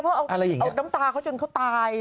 เพราะเอาน้ำตาเขาจนเขาตาย